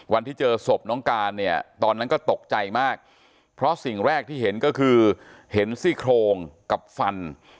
วันที่เจอศพน้องการเนี่ยตอนนั้นก็ตกใจมากเพราะสิ่งแรกที่เห็นก็คือเห็นซี่โครงกับฟัน